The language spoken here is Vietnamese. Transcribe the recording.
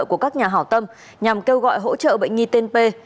của các nhà hảo tâm nhằm kêu gọi hỗ trợ bệnh nhi tên p